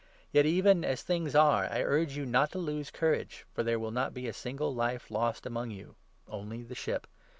Yet, even as things are, 1 urge you not to lose courage, for 22 there will not be a single life lost among you — only the ship.